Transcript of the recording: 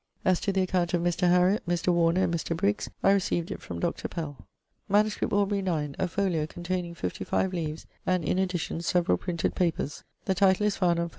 As to the account of Mr. Hariot, Mr. Warner, and Mr. Brigges, I recieved it from Dr. Pell.' =MS. Aubr. 9=: a folio, containing fifty five leaves, and in addition several printed papers. The title is found on fol.